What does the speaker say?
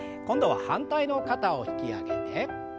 今度は反対の肩を引き上げて。